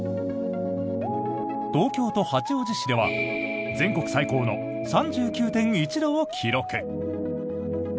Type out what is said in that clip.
東京都八王子市では全国最高の３９．１度を記録！